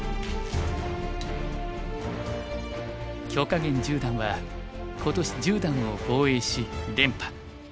許家元十段は今年十段を防衛し連覇。